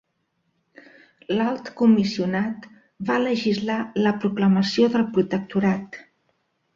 L'Alt Comissionat va legislar la proclamació del protectorat.